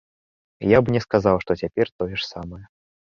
Я б не сказаў, што цяпер тое ж самае.